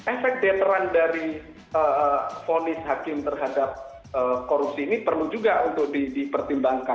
efek better run dari vonis hakim terhadap korupsi ini perlu juga untuk dipertimbangkan